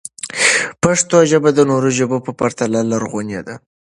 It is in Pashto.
پښتو ژبه د نورو ژبو په پرتله لرغونې ده.